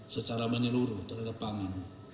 secara menyeluruh terhadap pangan